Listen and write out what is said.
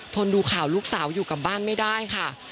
ดูข่าวลูกสาวอยู่กับบ้านไม่ได้ค่ะ